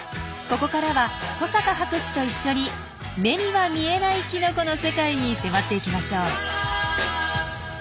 ここからは保坂博士と一緒に目には見えないキノコの世界に迫っていきましょう。